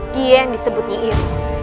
dia yang disebutnya iru